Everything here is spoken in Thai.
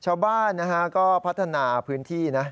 ชาวบ้านนะฮะก็พัฒนาพื้นที่นะ